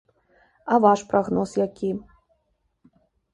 А ваш прагноз які?